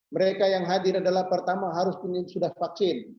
mereka yang hadir adalah pertama harus sudah vaksin